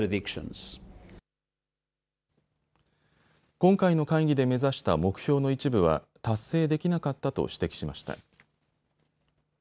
今回の会議で目指した目標の一部は達成できなかったと指摘しました。